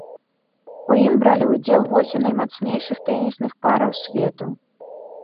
У ім бралі ўдзел восем наймацнейшых тэнісных параў свету.